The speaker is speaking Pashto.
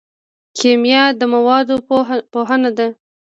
کیمیا د موادو پوهنه ده